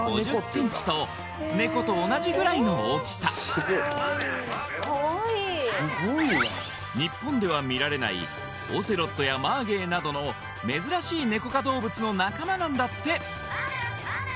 続いては名前にジャガーとつきますが日本では見られないオセロットやマーゲイなどの珍しいネコ科動物の仲間なんだって！